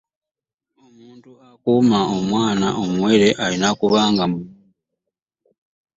Omuntu akuuma omwana omuwere alina okuba nga muyonjo nnyo.